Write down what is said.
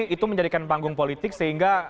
itu menjadikan panggung politik sehingga